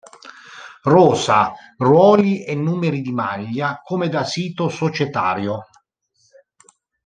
Rosa, ruoli e numeri di maglia come da sito societario.